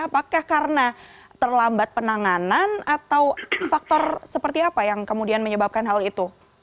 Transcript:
apakah karena terlambat penanganan atau faktor seperti apa yang kemudian menyebabkan hal itu